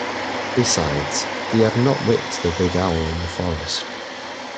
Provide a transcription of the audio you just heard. Besides, had he not whipped the big owl in the forest.